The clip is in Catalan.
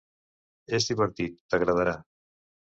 És divertit, t'agradarà.